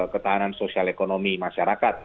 ketahanan sosial ekonomi masyarakat